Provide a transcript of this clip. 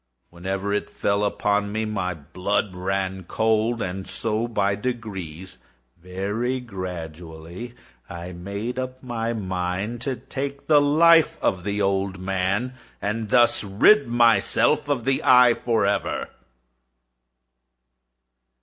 Whenever it fell upon me, my blood ran cold; and so by degrees—very gradually—I made up my mind to take the life of the old man, and thus rid myself of the eye forever.